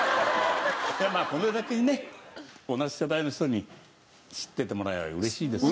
まあこれだけね同じ世代の人に知っててもらえれば嬉しいです。